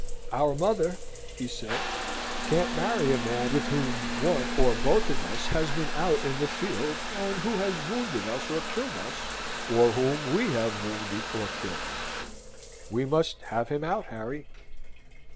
"Our mother," he said, "can't marry a man with whom one or both of us has been out on the field, and who has wounded us or killed us, or whom we have wounded or killed. We must have him out, Harry."